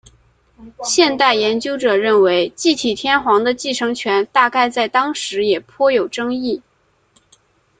现代研究者认为继体天皇的继承权大概在当时也颇有争议。